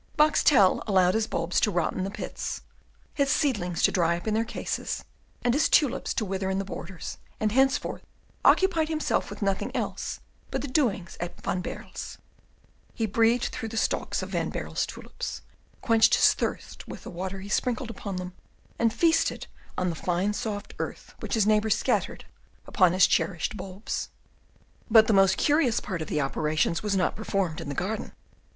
Boxtel allowed his bulbs to rot in the pits, his seedlings to dry up in their cases, and his tulips to wither in the borders and henceforward occupied himself with nothing else but the doings at Van Baerle's. He breathed through the stalks of Van Baerle's tulips, quenched his thirst with the water he sprinkled upon them, and feasted on the fine soft earth which his neighbour scattered upon his cherished bulbs. But the most curious part of the operations was not performed in the garden.